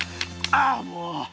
ああもう！